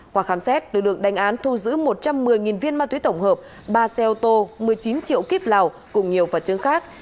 qua khám xét lực lượng đánh án thu giữ một trăm một mươi viên ma túy tổng hợp ba xe ô tô một mươi chín triệu kiếp lào cùng nhiều vật chứng khác